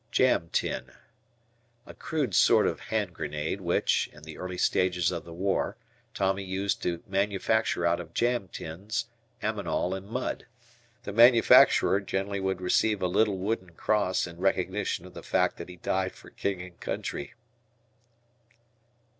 "Jam Tin." A crude sort of hand grenade which, in the early stages of the war. Tommy used to manufacture out of jam tins, ammonal, and mud. The manufacturer generally would receive a little wooden cross in recognition of the fact that he died for King and Country.